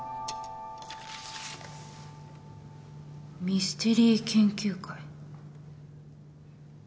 ミステリー研究会。